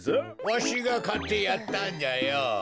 わしがかってやったんじゃよ。